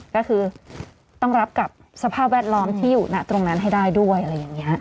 ก็คือต้องรับกับสภาพแวดล้อมที่อยู่ณตรงนั้นให้ได้ด้วยอะไรอย่างนี้